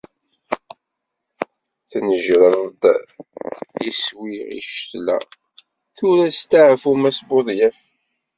Tneǧreḍ-d iswi i ccetla, tura steεfu Mass Buḍyaf.